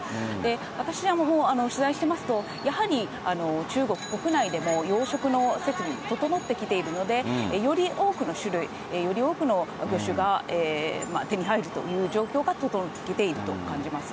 私が取材していますと、やはり中国国内でも養殖の設備、整ってきているので、より多くの種類、より多くの魚種が手に入るという状況が整っていると感じます。